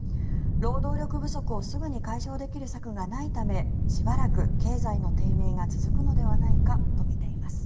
労働力不足をすぐに解消できる策がないためしばらく経済の低迷が続くのではないかとみています。